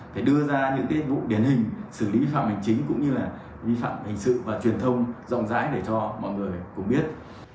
phải đưa ra những cái bộ điển hình xử lý vi phạm hình chính cũng như là vi phạm hình sự và truyền thông rộng rãi để cho mọi người cũng biết